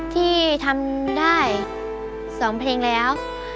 ที่ทำได้๒เพลงแล้ว